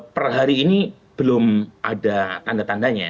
perhari ini belum ada tanda tandanya